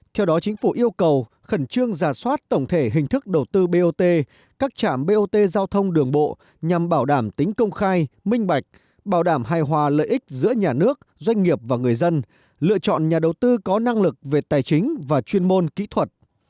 theo đó chính phủ yêu cầu khẩn trương giả soát tổng thể hình thức đầu tư bot các trảm bot giao thông đường bộ nhằm bảo đảm tính công khai minh bạch bảo đảm hài hòa lợi ích giữa nhà nước doanh nghiệp và người dân lựa chọn nhà đầu tư có năng lực về tài chính và chuyên môn kỹ thuật